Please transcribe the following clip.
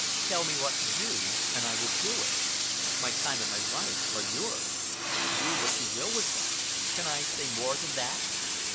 Tell me what to do and I will do it. My time and my life are yours. Do what you will with them! Can I say more than that?"